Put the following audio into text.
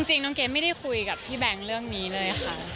จริงน้องเกดไม่ได้คุยกับพี่แบงค์เรื่องนี้เลยค่ะ